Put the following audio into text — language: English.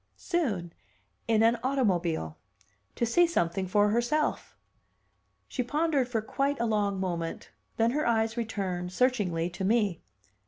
"Soon. In an automobile. To see something for herself." She pondered for quite a long moment; then her eyes returned, searchingly, to me.